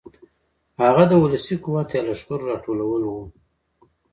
هغه د ولسي قوت یا لښکرو راټولول و.